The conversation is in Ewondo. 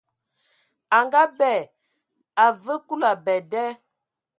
A ngaabɛ, a vǝǝ Kulu abɛ da.